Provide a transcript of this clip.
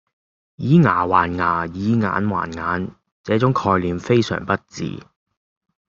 以牙還牙，以眼還眼，這種概念非常不智